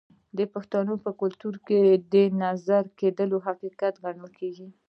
د پښتنو په کلتور کې د نظر کیدل حقیقت ګڼل کیږي.